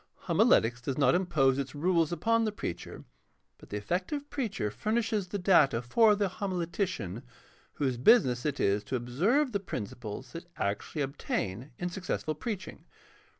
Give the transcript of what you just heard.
Homiletics does not impose its rules upon the preacher, but the effective preacher furnishes the data for the homiletician, whose business it is to observe the principles that actually obtain in successful preaching.